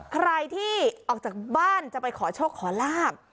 ใครที่ออกจากบ้านจะไปขอโชคขอลาบ